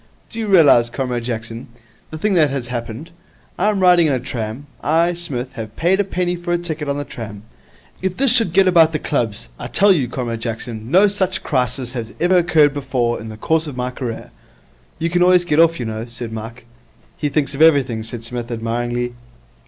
Do you realize, Comrade Jackson, the thing that has happened? I am riding in a tram. I, Psmith, have paid a penny for a ticket on a tram. If this should get about the clubs! I tell you, Comrade Jackson, no such crisis has ever occurred before in the course of my career.' 'You can always get off, you know,' said Mike. 'He thinks of everything,' said Psmith, admiringly.